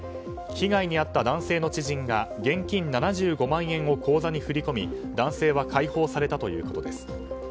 被害に遭った男性の知人が現金７５万円を口座に振り込み、男性は解放されたということです。